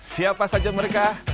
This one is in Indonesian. siapa saja mereka